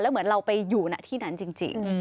เหมือนเราไปอยู่ที่นั้นจริง